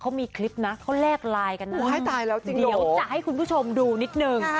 เขามีคลิปนะเขาแลกไลน์กันนะจริงเดี๋ยวจะให้คุณผู้ชมดูนิดนึง